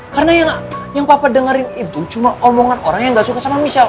karena yang papa dengerin itu cuman omongan orang yang gak suka sama michelle